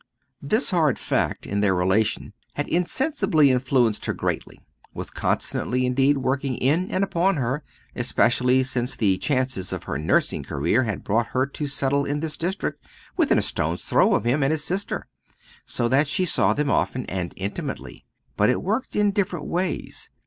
This hard fact in their relation had insensibly influenced her greatly, was constantly indeed working in and upon her, especially since the chances of her nursing career had brought her to settle in this district, within a stone's throw of him and his sister, so that she saw them often and intimately. But it worked in different ways.